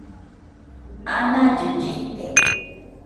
anallɨ llɨte